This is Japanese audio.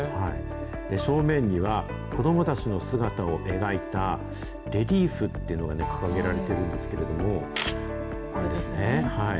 正面には、子どもたちの姿を描いたレリーフっていうのがね、掲げられているんですけれども、これですね。